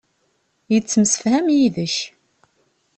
Yettemsefham yid-k.